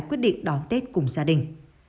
quyết định đón tết cùng gia đình